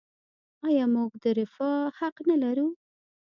آیا موږ د رفاه حق نلرو؟